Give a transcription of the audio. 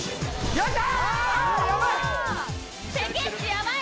やった！